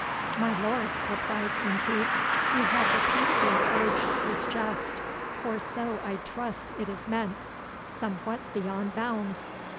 "My lord," replied Menteith, "you have repeatedly urged this jest, for so I trust it is meant, somewhat beyond bounds.